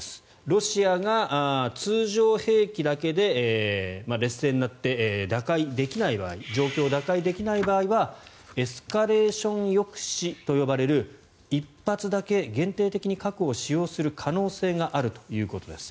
ロシアが通常兵器だけで劣勢になって状況を打開できない場合はエスカレーション抑止と呼ばれる１発だけ限定的に核を使用する可能性があるということです。